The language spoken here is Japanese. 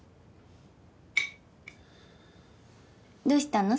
どうしたの？